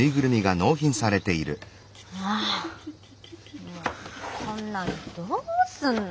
ああもうこんなんどうすんの？